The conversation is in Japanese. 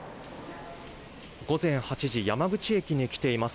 午前８時山口駅に来ています。